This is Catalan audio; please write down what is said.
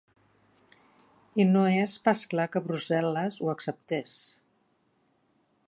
I no és pas clar que Brussel·les ho acceptés.